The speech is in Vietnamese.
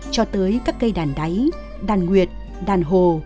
cho tới các cây đàn đáy đàn nguyệt đàn hồ